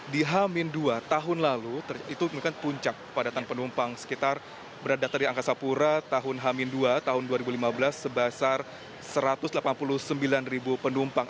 di hamin dua tahun lalu itu menunjukkan puncak kepadatan penumpang sekitar berada di angkasa pura tahun hamin dua tahun dua ribu lima belas sebesar satu ratus delapan puluh sembilan ribu penumpang